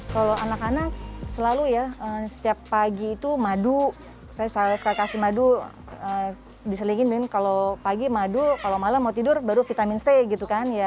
kalau anak anak selalu ya setiap pagi itu madu saya kasih madu diselingin dan kalau pagi madu kalau malam mau tidur baru vitamin c gitu kan ya